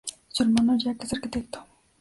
Su hermano Jack es arquitecto.